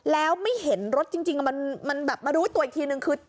แล้วไม่เห็นรถจริงมันแบบมารู้ตัวอีกทีนึงคือ